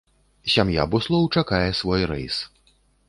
Сям'я буслоў чакае свой рэйс.